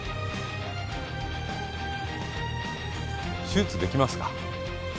手術出来ますか？